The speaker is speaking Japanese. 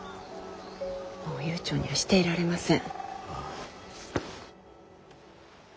もう悠長にはしていられません。